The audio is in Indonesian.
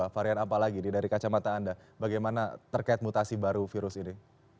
varian apa lagi dari kacamata anda bagaimana terkait mutasi baru virus ini